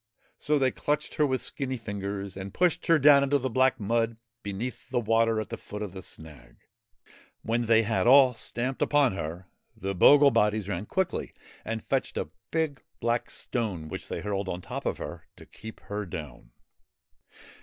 So they clutched her with skinny fingers and pushed her down into the black mud beneath the water at the foot of the snag. When they had all stamped upon her, the bogle bodies ran quickly and fetched a big black stone which they hurled on top of her to keep her down.